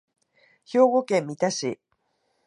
兵庫県三田市